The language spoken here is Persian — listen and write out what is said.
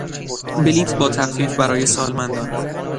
بلیط با تخفیف برای سالمندان